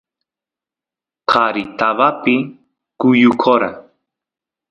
qari tabapi kuyukora